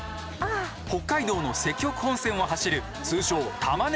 北海道の石北本線を走る通称たまねぎ列車。